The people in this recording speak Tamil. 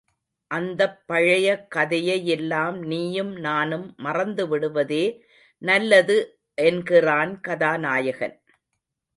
அந்தப் பழைய கதையையெல்லாம் நீயும் நானும் மறந்து விடுவதே நல்லது என்கிறான் கதாநாயகன்!